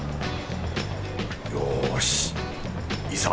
よしいざ